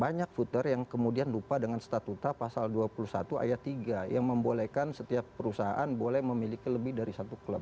banyak footer yang kemudian lupa dengan statuta pasal dua puluh satu ayat tiga yang membolehkan setiap perusahaan boleh memiliki lebih dari satu klub